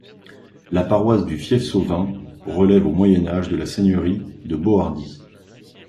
La paroisse du Fief-Sauvin relève au Moyen Âge de la seigneurie de Bohardy.